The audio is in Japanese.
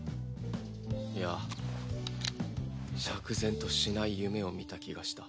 いや釈然としない夢を見た気がした。